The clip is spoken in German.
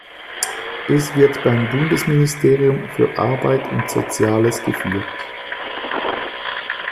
Es wird beim Bundesministerium für Arbeit und Soziales geführt.